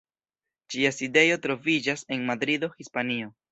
Ĝia sidejo troviĝas en Madrido, Hispanio.